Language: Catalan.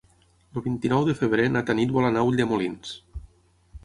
El vint-i-nou de febrer na Tanit vol anar a Ulldemolins.